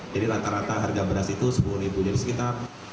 jadi rata rata harga beras itu sepuluh ribu dari sekitar